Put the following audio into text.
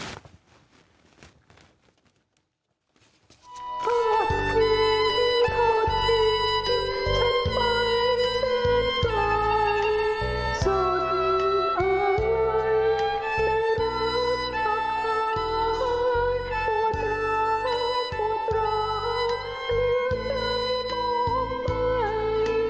โทษทีอายแต่รักอากาย